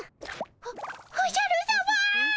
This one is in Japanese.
おおじゃるさま。